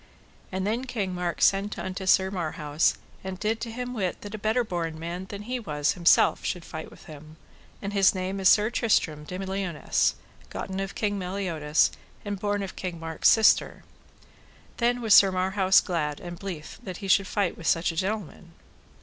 And then King Mark sent unto Sir Marhaus, and did him to wit that a better born man than he was himself should fight with him, and his name is Sir Tristram de Liones, gotten of King Meliodas, and born of King Mark's sister. Then was Sir Marhaus glad and blithe that he should fight with such a gentleman.